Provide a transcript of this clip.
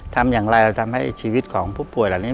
ทำอย่างไรเราทำให้ชีวิตของผู้ป่วยเหล่านี้